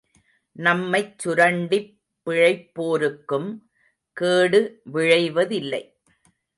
நம்மைச்சுரண்டிப் பிழைப்போருக்கும் கேடு விழைவதில்லை.